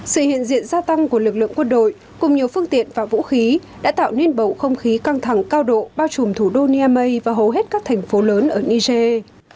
sự hiện diện gia tăng của lực lượng quân đội cùng nhiều phương tiện và vũ khí đã tạo nên bầu không khí căng thẳng cao độ bao trùm thủ đô niamey và hầu hết các thành phố lớn ở niger